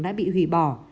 đã bị hủy bỏ